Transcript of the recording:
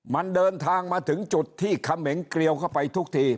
มันเดินทางมาถึงจุดที่เขมงเกลียวเข้าไปทุกที